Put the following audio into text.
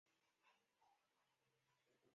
因此我果然被说是音色了呢。